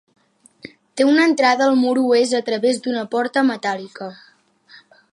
Té una entrada al mur oest a través d'una porta metàl·lica.